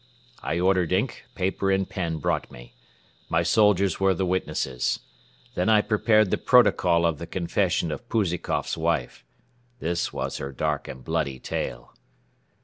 "I ordered ink, paper and pen brought me. My soldiers were the witnesses. Then I prepared the protocol of the confession of Pouzikoff's wife. This was her dark and bloody tale.